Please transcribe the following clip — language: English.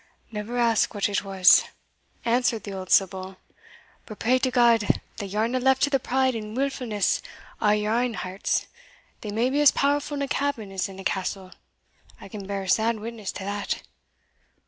"Never ask what it was," answered the old sibyl, "but pray to God that ye arena left to the pride and wilfu'ness o' your ain hearts: they may be as powerful in a cabin as in a castle I can bear a sad witness to that.